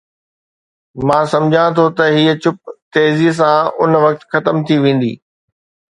مان سمجهان ٿو ته هي چپ تيزيءَ سان ان وقت ختم ٿي ويندي.